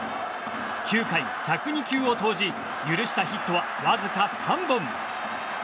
９回１０２球を投じ許したヒットはわずか３本。